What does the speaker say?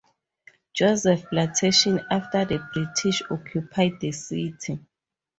Joseph Plantation after the British occupied the city.